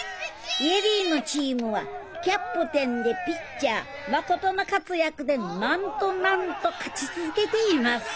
恵里のチームはキャプテンでピッチャー誠の活躍でなんとなんと勝ち続けています